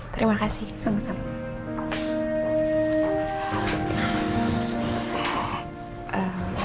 terima kasih sama sama